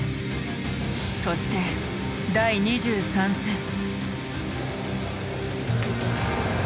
そして第２３戦。